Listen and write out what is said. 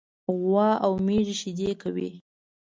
غوا او میږه شيدي کوي.